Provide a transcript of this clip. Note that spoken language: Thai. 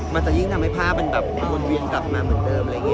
มันจะยิ่งทำให้ภาพมันมนเวียนกลับมาเหมือนเดิม